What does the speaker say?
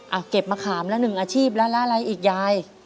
เก็บมะขามแล้วหนึ่งอาชีพแล้วแล้วอะไรอีกยาย